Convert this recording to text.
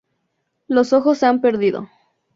Los ojos se han perdido.